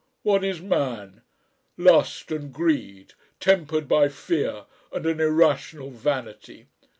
What Is man? Lust and greed tempered by fear and an irrational vanity."